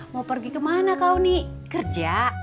mau pergi kemana kau nih kerja